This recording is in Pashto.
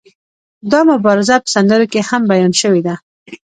دا مبارزه په سندرو کې هم بیان شوې ده.